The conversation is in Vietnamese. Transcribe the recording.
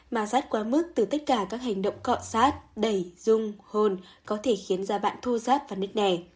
mà sát quá mức từ tất cả các hành động cọ sát đẩy dung hôn có thể khiến da bạn thua sát và nứt nẻ